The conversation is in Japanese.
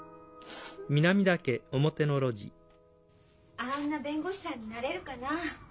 あんな弁護士さんになれるかな？